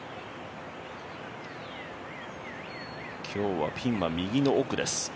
今日はピンは右の奥です。